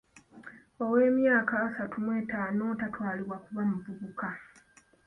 Ow'emyaka asatu mu etaano tatwalibwa kuba muvubuka.